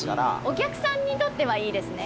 お客さんにとってはいいですね。